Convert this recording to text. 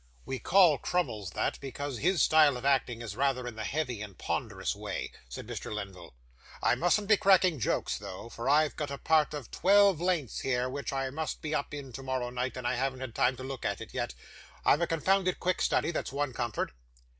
'We call Crummles that, because his style of acting is rather in the heavy and ponderous way,' said Mr. Lenville. 'I mustn't be cracking jokes though, for I've got a part of twelve lengths here, which I must be up in tomorrow night, and I haven't had time to look at it yet; I'm a confounded quick study, that's one comfort.